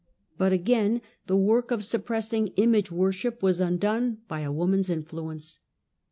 But again the 'ork of suppressing image worship was undone by a 'Oman's influence.